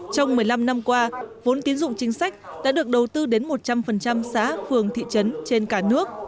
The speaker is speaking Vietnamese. trong một mươi năm năm qua vốn tín dụng chính sách đã được đầu tư đến một trăm linh xã phường thị trấn trên cả nước